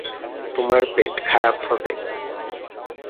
তোমার পেট খারাপ হবে।